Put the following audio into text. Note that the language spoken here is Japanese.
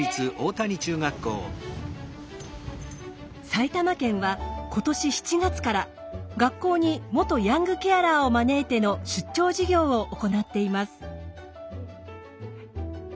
埼玉県は今年７月から学校に元ヤングケアラーを招いての出張授業を行っています。